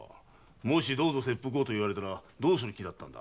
もし「どうぞ切腹を」と言われたらどうする気だったんだ？